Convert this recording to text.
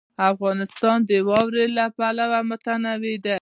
افغانستان د واوره له پلوه متنوع دی.